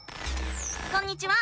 こんにちは！